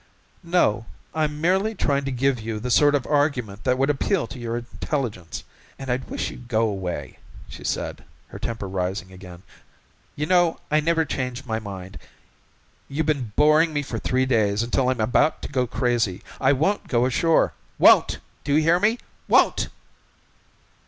"No, I'm merely trying to give you the sort of argument that would appeal to your intelligence. And I wish you'd go 'way," she said, her temper rising again. "You know I never change my mind. You've been boring me for three days until I'm about to go crazy. I won't go ashore! Won't! Do you hear? Won't!"